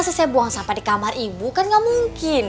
saya buang sampah di kamar ibu kan gak mungkin